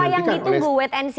apa yang ditunggu white nc